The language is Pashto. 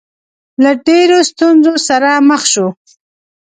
له ډېرو ستونزو سره مخ شو.